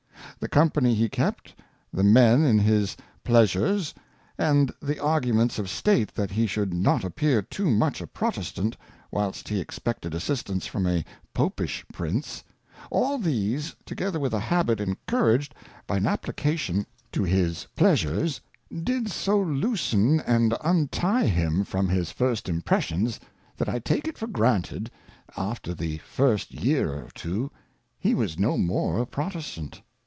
(/I The Company he kept, the Men in his Pleasures, and the Arguments of State that he should no t appear too much a Protestant, whilst he expected Assistance from a Popish Prince ; ^11 these, together with a habit encouraged by an Application to i88 A Character of to his Pleasures, did so loosen and untie him from his first Impressions, that I take it for granted, a fter the first Ye^ C jir two, he was no more a Protestant.